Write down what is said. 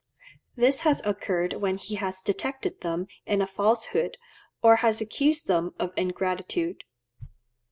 This has occurred when he has detected them in a falsehood, or has accused them of ingratitude.